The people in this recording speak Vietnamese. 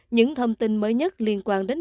những thông tin mới nhất liên quan đến